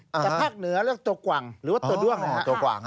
แต่ภาคเหนือเรียกตัวกว่างหรือว่าตัวด้วงตัวกว่าง